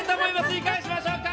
いかがしましょうか！